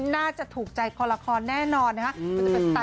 น่าจะถูกใจกับราคอนแน่นอนนะฮะ